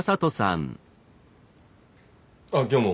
あっ今日も。